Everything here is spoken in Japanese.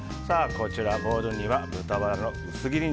ボウルには豚バラの薄切り肉。